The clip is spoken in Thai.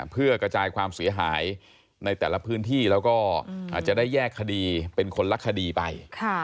เพื่อกระจายความเสียหายในแต่ละพื้นที่แล้วก็อาจจะได้แยกคดีเป็นคนละคดีไป